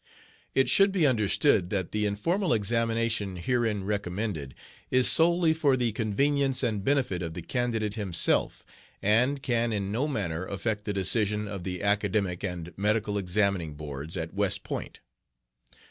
It should be understood that the informal examination herein recommended is solely for the convenience and benefit of the candidate himself, and can in no manner affect the decision of the Academic and Medical Examining Boards at West Point.